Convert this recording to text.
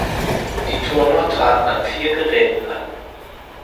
Die Turner traten an vier Geräten an.